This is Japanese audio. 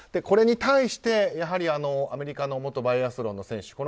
これに対して、やはりアメリカの元バイアスロンの選手。